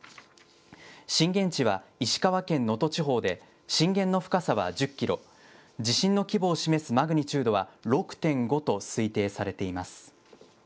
震源地は石川県能登地方で、震源の深さは１０キロ、地震の規模を示すマグニチュードは６．５と推定されています。